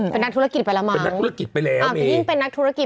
เป็นนักธุรกิจไปแล้วมาเป็นนักธุรกิจไปแล้วอ้าวแต่ยิ่งเป็นนักธุรกิจ